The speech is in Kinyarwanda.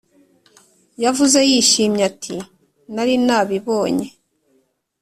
Yavuze yishimye ati nari nabibonye.